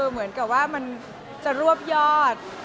มันจะรวบยอด